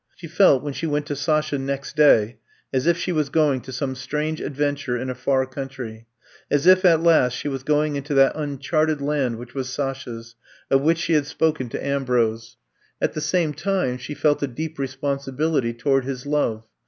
She felt when she went to Sasha next day as if she was going to some strange adven ture in a far country — as if at last she was going into that uncharted land which was Sasha 's, of which she had spoken to Am brose. At the same time she felt a deep responsibility toward his love.